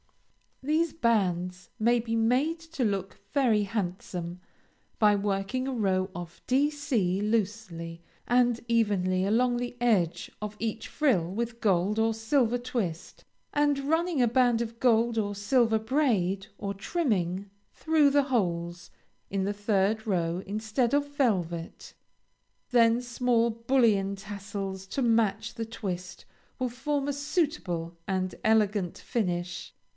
These bands may be made to look very handsome by working a row of Dc loosely and evenly along the edge of each frill with gold or silver twist, and running a band of gold or silver braid or trimming through the holes in the third row instead of velvet. Then small bullion tassels to match the twist will form a suitable and elegant finish.